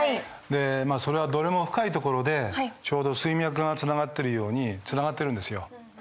でまあそれはどれも深いところでちょうど水脈がつながってるようにつながってるんですよ。